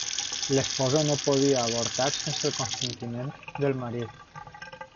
L'esposa no podia avortar sense el consentiment del marit.